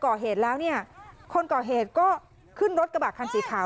ถ้าเกาะเหตุแล้วเนี่ยคนเกาะเหตุก็ขึ้นรถกระบาดคันสีขาว